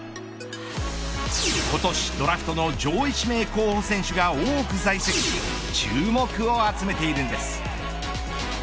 今年ドラフトの上位指名候補選手が多く在籍し注目を集めているんです。